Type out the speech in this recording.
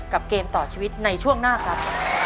เกมต่อชีวิตในช่วงหน้าครับ